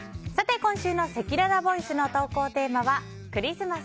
今週のせきららボイスの投稿テーマはクリスマス！